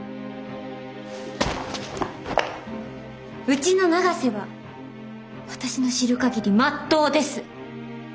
うちの永瀬は私の知る限りまっとうです。